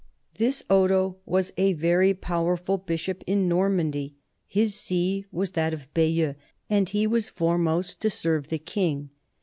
This Odo was a very powerful bishop in Nor mandy, his see was that of Bayeux, and he was foremost to serve the king.